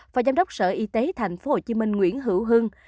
phó giám đốc sở y tế tp hcm nguyễn hữu hưng